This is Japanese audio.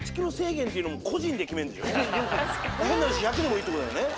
変な話１００でもいいって事だよね。